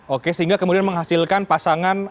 oke sehingga kemudian menghasilkan pasangan